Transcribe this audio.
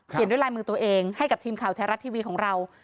ด้วยลายมือตัวเองให้กับทีมข่าวไทยรัฐทีวีของเรา